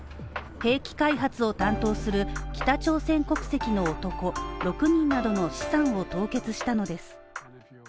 兵器開発を担当する北朝鮮国籍の男６人などの資産を凍結したのです。